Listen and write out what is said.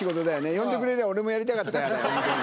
呼んでくれれば、俺もやりたかったよ、本当に。